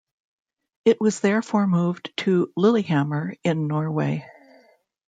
It was therefore moved to Lillehammer in Norway.